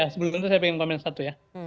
sebelumnya saya ingin komen satu ya